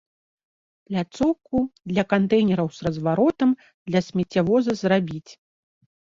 Пляцоўку для кантэйнераў з разваротам для смеццявоза зрабіць.